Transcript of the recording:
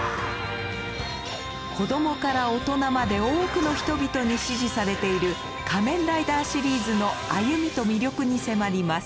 子どもから大人まで多くの人々に支持されている「仮面ライダー」シリーズの歩みと魅力に迫ります。